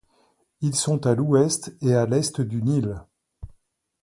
Ils sont à l'ouest et à l'est du Nil.